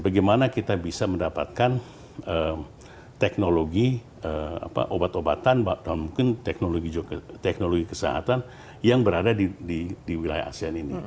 bagaimana kita bisa mendapatkan teknologi obat obatan mungkin teknologi kesehatan yang berada di wilayah asean ini